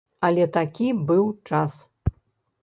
Але такі быў час!